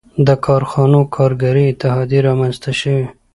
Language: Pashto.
• د کارخانو کارګري اتحادیې رامنځته شوې.